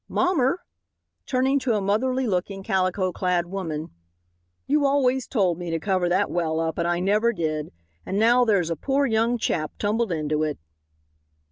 Mommer," turning to a motherly looking, calico clad woman, "you always told me to cover that well up, and I never did, and now thar's a poor young chap tumbled into it."